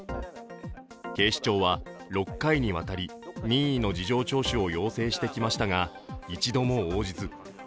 警視庁は６回にわたり、任意の事情聴取を要請してきましたが一度も応じず。